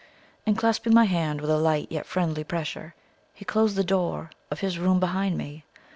And clasping my hand with a light yet friendly pressure, he closed the door of his room behind me.